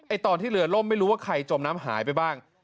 ตอนที่เรือล่มไม่รู้ว่าใครจมน้ำหายไปบ้าง